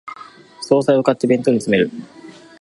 総菜を買って弁当に詰める